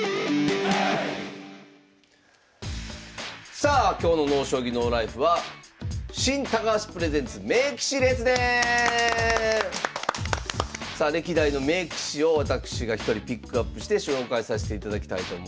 さあ今日の「ＮＯ将棋ＮＯＬＩＦＥ」はさあ歴代の名棋士を私が１人ピックアップして紹介させていただきたいと思います。